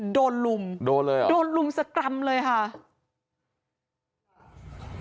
โดนลุมโดนลุมสักกรรมเลยค่ะ